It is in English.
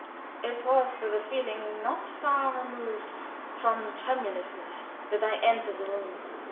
It was with a feeling not far removed from tremulousness that I entered the room.